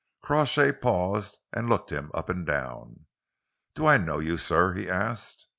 Crawshay paused and looked him up and down. "Do I know you, sir?" he asked.